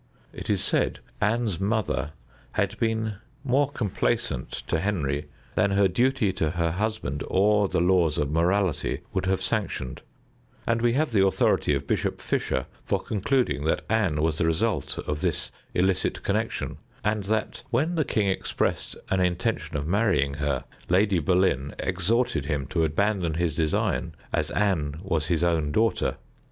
It is said Anne's mother had been more complaisant to Henry than her duty to her husband or the laws of morality would have sanctioned, and we have the authority of Bishop Fisher for concluding that Anne was the result of this illicit connection, and that, when the king expressed an intention of marrying her, Lady Boleyn exhorted him to abandon his design, as Anne was his own daughter.